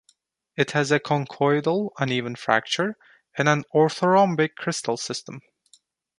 It has a conchoidal, uneven fracture, and an orthorhombic crystal system.